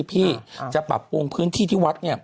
พี่จะปรับปรุงพื้นที่ที่วัดเนี่ย